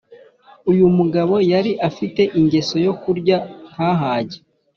uyumugabo yari afite ingeso yo kurya ntahage